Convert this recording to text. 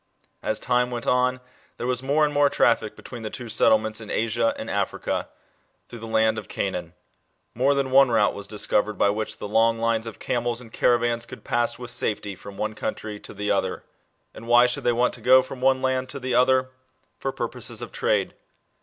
As time went on, there was more and more traffic between the two settlements in Asia and Africa, through the land of Canaan. More than one route was discovered by which the long lines of camels and caravans could pass with safety from the one country to the other. And why should they want to go from one land to the other ? For purposes of trade.